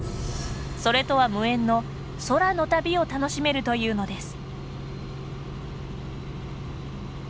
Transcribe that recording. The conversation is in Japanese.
それとは無縁の空の旅を楽しめるというのです。